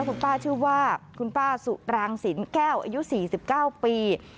คุณป้าชื่อว่าคุณป้าสุรางสินแก้วอายุ๔๙ปี